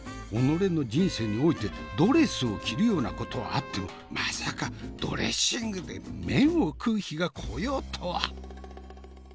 己の人生においてドレスを着るようなことはあってもまさかドレッシングで麺を食う日が来ようとは。